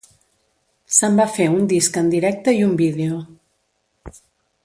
Se'n va fer un disc en directe i un vídeo.